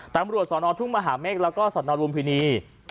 ตังบริวชสนทุ่มหาเมฆและสนรวมพินี